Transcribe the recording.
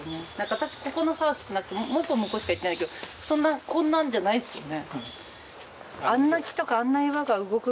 私ここの沢来てなくてもう一本向こうしか行ってないけどこんなんじゃないっすよね。